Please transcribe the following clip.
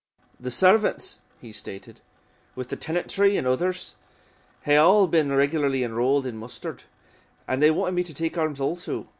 "The servants," he stated, "with the tenantry and others, had been all regularly enrolled and mustered, and they wanted me to take arms also.